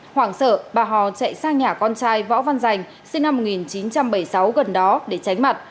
hoảng sợ bà hò chạy sang nhà con trai võ văn dành sinh năm một nghìn chín trăm bảy mươi sáu gần đó để tránh mặt